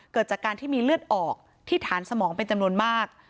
เกิดจากการที่มีเลือดออกที่ฐานสมองเป็นจำนวนมาก